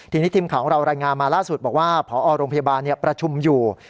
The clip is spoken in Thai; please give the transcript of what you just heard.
ทีนี้ทีมข่าวของเรารายงานมาล่าสุดบอกว่าพอโรงพยาบาลประชุมอยู่